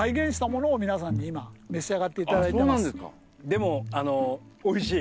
でもあのおいしい。